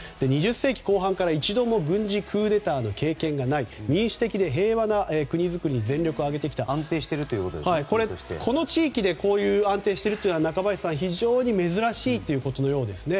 ２０世紀後半から一度も軍事クーデターの経験がない民主的で平和な国造りに全力を挙げてきたというこの地域で安定しているというのは非常に珍しいということのようですね。